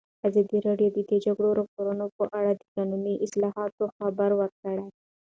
ازادي راډیو د د جګړې راپورونه په اړه د قانوني اصلاحاتو خبر ورکړی.